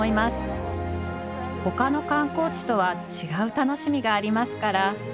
ほかの観光地とは違う楽しみがありますから。